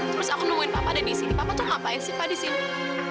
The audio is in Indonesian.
terus aku nungguin papa dan di sini papa tuh ngapain sih pak di sini